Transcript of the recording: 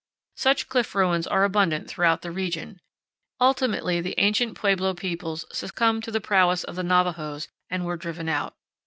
Such cliff ruins are abundant throughout the region, intimately the ancient pueblo peoples succumbed to the prowess of the Navajos and were driven out.